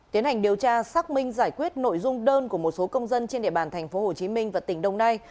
tiến hành điều tra xác minh giải quyết nội dung đơn của một số công dân trên địa bàn tp hcm và tỉnh đồng nai